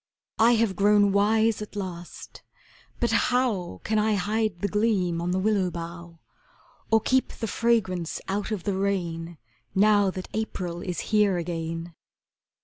I have grown wise at last but how Can I hide the gleam on the willow bough, Or keep the fragrance out of the rain Now that April is here again?